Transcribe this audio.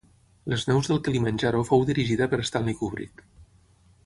Les neus del Kilimanjaro fou dirigida per Stanley Kubrick.